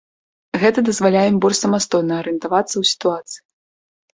Гэта дазваляе ім больш самастойна арыентавацца ў сітуацыі.